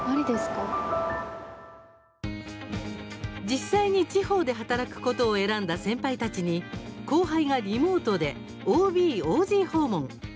実際に地方で働くことを選んだ先輩たちに後輩がリモートでＯＢ・ＯＧ訪問。